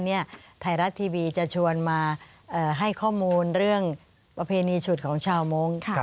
ไทยรัฐทีวีจะชวนมาให้ข้อมูลเรื่องประเพณีฉุดของชาวมงค์